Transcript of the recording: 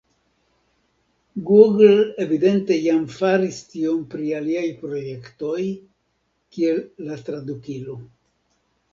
Google evidente jam faris tion pri aliaj projektoj, kiel la tradukilo.